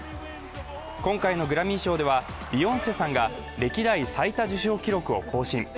今回のグラミー賞ではビヨンセさんが歴代最多受賞記録を更新。